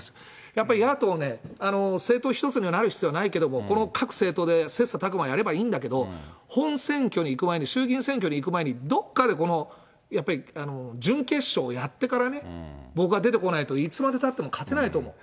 やっぱり野党ね、政党１つになる必要はないけど、この各政党で切さたく磨やればいいんだけど、本選挙に行く前に、衆議院選挙に行く前に、どっかでこのやっぱり準決勝をやってからね、僕は出てこないといつまでたっても勝てないと思う。